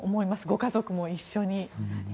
ご家族も一緒に。